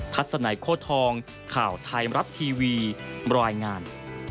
ทัศนัยโคทองข่าวไทยรับทีวีบรอยงาน